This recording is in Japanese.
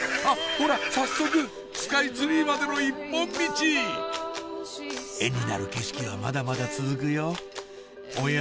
ほら早速スカイツリーまでの一本ミチ絵になる景色はまだまだ続くよおや？